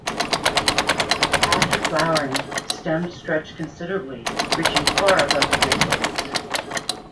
After flowering, the stems stretch considerably, reaching far above the basal leaves.